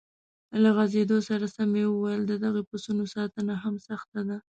له غځېدو سره سم یې وویل: د دې پسونو ساتنه هم سخته ده.